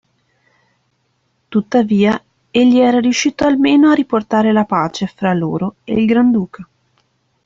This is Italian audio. Tuttavia egli era riuscito almeno a riportare la pace fra loro ed il granduca.